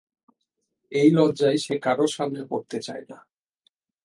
এই লজ্জায় সে কারো সামনে পড়তে চায় না।